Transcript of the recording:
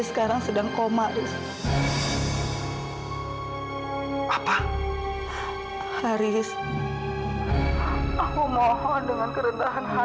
iya ras aku juga mau ke sana